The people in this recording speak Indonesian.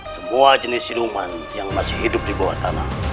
semua jenis minuman yang masih hidup di bawah tanah